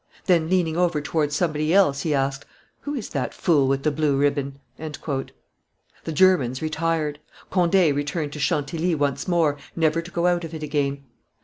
Then, leaning over towards somebody else, he asked, 'Who is that fool with the blue ribbon?'" The Germans retired. Conde returned to Chantilly once more, never to go out of it again.